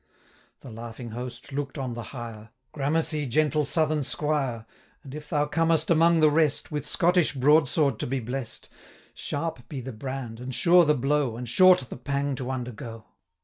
The laughing host look'd on the hire, 'Gramercy, gentle southern squire, And if thou comest among the rest, 60 With Scottish broadsword to be blest, Sharp be the brand, and sure the blow, And short the pang to undergo.'